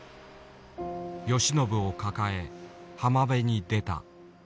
宜靖を抱え浜辺に出た。